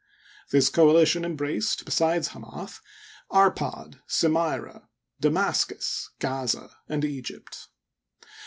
This coalition embraced, besides Hamath, Arpad, Slmyra, Damascus, Gaza, and Egypt.